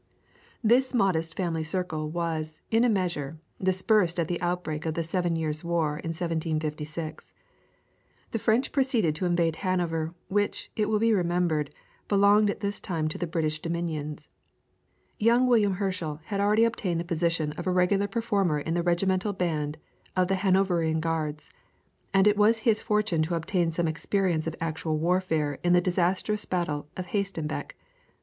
This modest family circle was, in a measure, dispersed at the outbreak of the Seven Years' War in 1756. The French proceeded to invade Hanover, which, it will be remembered, belonged at this time to the British dominions. Young William Herschel had already obtained the position of a regular performer in the regimental band of the Hanoverian Guards, and it was his fortune to obtain some experience of actual warfare in the disastrous battle of Hastenbeck.